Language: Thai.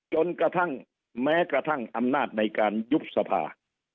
จนกระทั่งแม้กระทั่งอำนาจในการยุบสภา